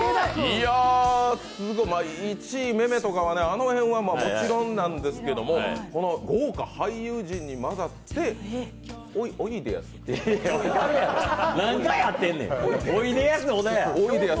１位めめとかは、もちろんなんですけれども豪華俳優陣に混ざっておいでやす？